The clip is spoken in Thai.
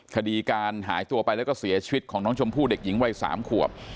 คดีการหายตัวไปแล้วก็เสียชีวิตของน้องชมพู่เด็กหญิงวัย๓ขวบ